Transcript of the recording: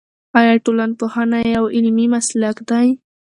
آیا ټولنپوهنه یو علمي مسلک دی؟